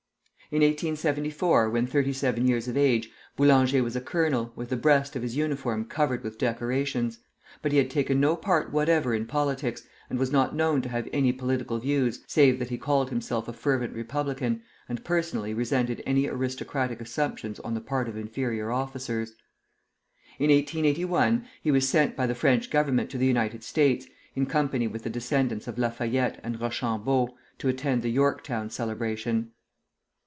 In 1874 when thirty seven years of age, Boulanger was a colonel, with the breast of his uniform covered with decorations; but he had taken no part whatever in politics, and was not known to have any political views, save that he called himself a fervent Republican, and personally resented any aristocratic assumptions on the part of inferior officers. In 1881 he was sent by the French Government to the United States, in company with the descendants of Lafayette and Rochambeau, to attend the Yorktown celebration.